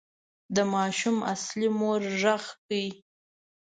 د ماشوم اصلي مور غږ کړ.